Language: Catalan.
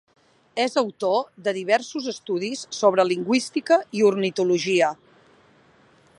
És autor de diversos estudis sobre lingüística i ornitologia.